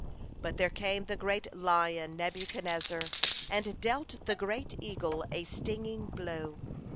But there came the great lion Nebuchadnezzar, and dealt the great eagle a stinging blow.